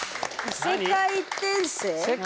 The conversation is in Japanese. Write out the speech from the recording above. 異世界・転生。